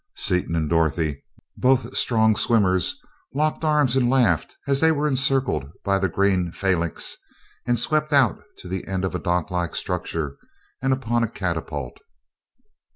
Seaton and Dorothy, both strong swimmers, locked arms and laughed as they were encircled by the green phalanx and swept out to the end of a dock like structure and upon a catapult.